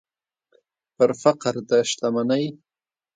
پر فقر د شتمنۍ